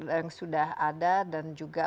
yang sudah ada dan juga